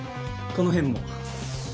この辺も。